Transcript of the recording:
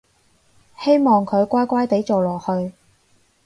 希望佢乖乖哋做落去